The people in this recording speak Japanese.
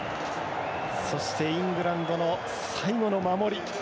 そしてイングランドの最後の守り。